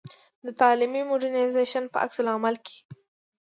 د تعلیمي مډرنیزېشن په عکس العمل کې.